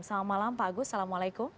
selamat malam pak agus assalamualaikum